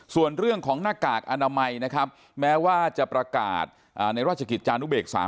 ส่วนเรื่องของหน้ากากอนามัยนะครับแม้ว่าจะประกาศในราชกิจจานุเบกษา